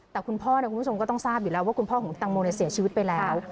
แต่คุณพ่อคุณผู้ชมก็ต้องทราบอยู่แล้วว่าคุณพ่อของคุณตังโมเสียชีวิตไปแล้ว